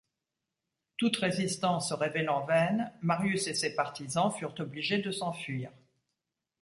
Toute résistance se révélant vaine, Marius et ses partisans furent obligés de s'enfuir.